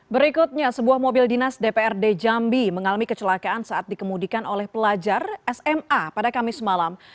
berikutnya sebuah mobil dinas dprd jambi mengalami kecelakaan saat dikemudikan oleh pelajar sma pada kamis malam